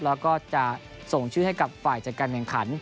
แล้วก็จะส่งชื่อให้กับฝ่ายจัดการแข่งขัน